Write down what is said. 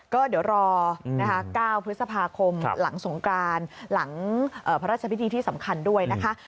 ก็เดี๋ยวรอนะคะ๙พฤษภาคมหลังสงกรานหลังพระราชพิธีที่สำคัญด้วยนะคะ